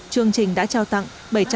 chương trình đã trao tặng